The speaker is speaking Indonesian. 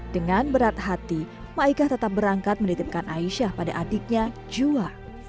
dengan berat hati maika tetap berangkat menitipkan aisyah pada adiknya jua